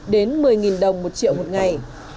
đến một mươi đồng một triệu một ngày